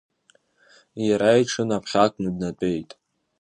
Иара иҽынаԥхьакны днатәеит.